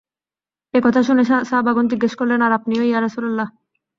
একথা শুনে সাহাবাগণ জিজ্ঞেস করলেন, আর আপনিও ইয়া রাসূলাল্লাহ?